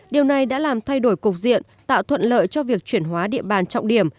điều này đã làm thay đổi cục diện tạo thuận lợi cho việc chuyển hóa địa bàn trọng điểm